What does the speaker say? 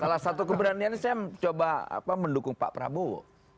salah satu keberanian saya mencoba mendukung pak prabowo